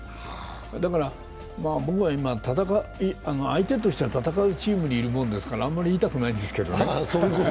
だから僕は今、相手としては戦うチームにいるもんですから、あんまり言いたくないんですけどね。